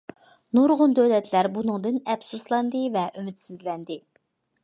نۇرغۇن دۆلەتلەر بۇنىڭدىن ئەپسۇسلاندى ۋە ئۈمىدسىزلەندى.